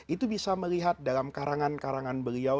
itu bisa melihat dalam karangan karangan beliau